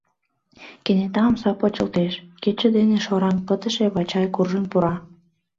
Кенета омса почылтеш — кече дене шораҥ пытыше Вачай куржын пура.